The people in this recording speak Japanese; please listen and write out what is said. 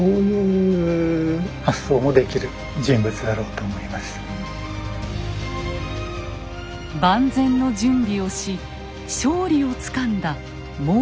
となると万全の準備をし勝利をつかんだ毛利元就。